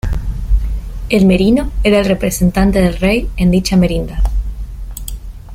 El merino era el representante del rey en dicha merindad.